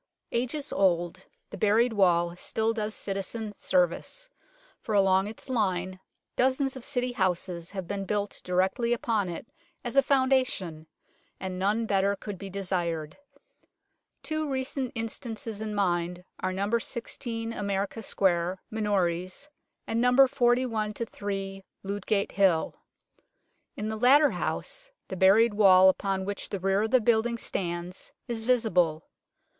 Ages old, the buried wall still does citizen service, for along its line dozens of City houses have been built directly upon it as a foundation and none better could be desired. Two recent instances in mind are No. 16 America Square, Minories, and No. 41 3 Ludgate Hill. In the latter house the buried wall upon which the rear of the building stands is visible.